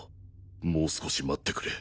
もう少し待ってくれ。